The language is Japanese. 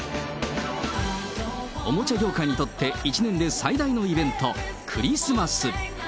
おもちゃ業界にとって一年で最大のイベント、クリスマス。